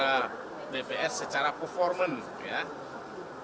menyandar dpr secara performance